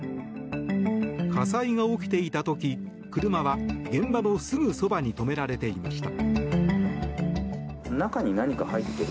火災が起きていた時車は、現場のすぐそばに止められていました。